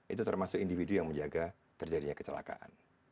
itu termasuk individu yang menjaga terjadinya kecelakaan